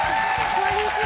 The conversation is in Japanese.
こんにちは！